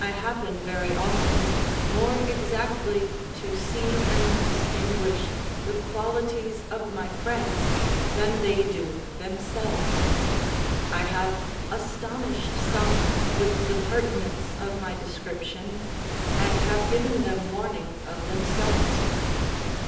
I happen very often more exactly to see and distinguish the qualities of my friends than they do themselves: I have astonished some with the pertinence of my description, and have given them warning of themselves.